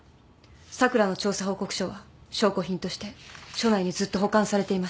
咲良の調査報告書は証拠品として署内にずっと保管されていました。